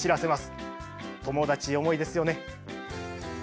友達思いですよね。